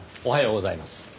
おはようございます。